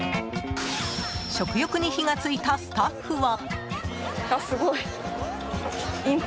食欲に火が付いたスタッフは。